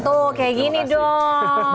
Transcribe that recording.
tuh kayak gini dong